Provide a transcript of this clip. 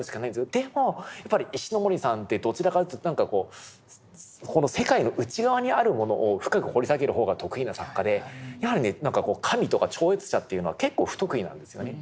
でもやっぱり石森さんってどちらかと言うと何かこうこの世界の内側にあるものを深く掘り下げる方が得意な作家でやはりね神とか超越者というのは結構不得意なんですよね。